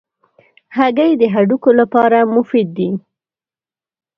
هګۍ د هډوکو لپاره مفید دي.